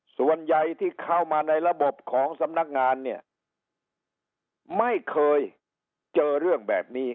ส่วนใหญ่ที่เข้ามาในระบบของสำนักงานเนี่ยไม่เคยเจอเรื่องแบบนี้